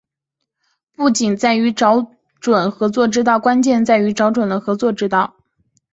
不仅在于找准合作之道，关键在于找准了合作之道